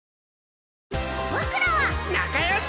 僕らは。仲よし！